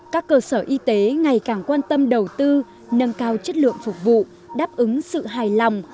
các cơ sở y tế ngày càng quan tâm đầu tư nâng cao chất lượng phục vụ đáp ứng sự hài lòng